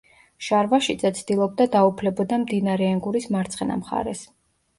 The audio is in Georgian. შარვაშიძე ცდილობდა დაუფლებოდა მდინარე ენგურის მარცხენა მხარეს.